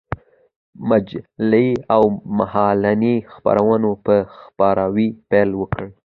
مجلې او مهالنۍ خپرونو په خپراوي پيل وكړ.